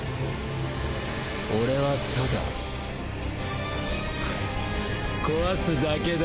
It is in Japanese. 俺はただフッ壊すだけだ。